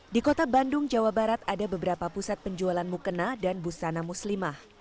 di kota bandung jawa barat ada beberapa pusat penjualan mukena dan busana muslimah